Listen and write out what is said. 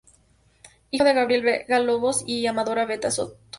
Hijo de Gabriel Vega Lobos y Amadora Vera Soto.